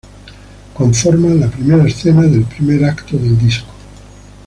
Conforma la primera escena del primer acto del disco.